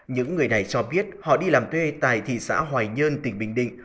những người này cho biết họ đi làm thuê tại thị xã hoài nhơn tỉnh bình định